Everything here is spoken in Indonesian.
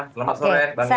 selamat sore bang yandri